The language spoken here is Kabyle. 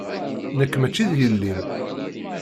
Nekk maci d yelli-m.